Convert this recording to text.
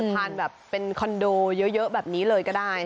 ทานแบบเป็นคอนโดเยอะแบบนี้เลยก็ได้